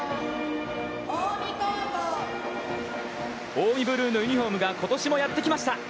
近江ブルーのユニホームがことしもやってきました。